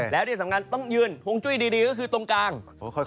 แล้วที่สำคัญต้องยืนฮวงจุ้ยดีก็คือตรงกลาง